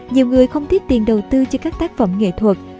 nhiều người không thiết tiền đầu tư cho các tác phẩm nghệ thuật